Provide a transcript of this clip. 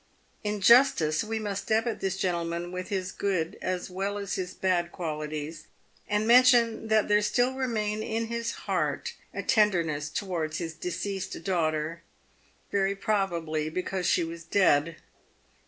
In justice we must debit this gentleman with his good as well as his bad qualities, and mention that there still remained in his heart a tenderness towards his deceased daughter — very probably because she was dead.